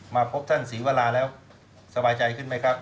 มาพบท่านศรีวราแล้วสบายใจขึ้นไหมครับ